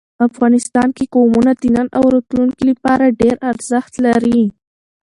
افغانستان کې قومونه د نن او راتلونکي لپاره ډېر ارزښت لري.